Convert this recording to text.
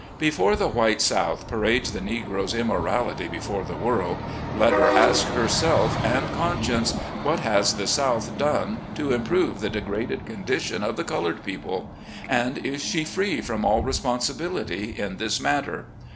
Before the white South parades the Negro's immorality before the world, let her ask herself and conscience, what has the South done to improve the degraded condi tion of the colored people. And is she free from all responsibility in this matter?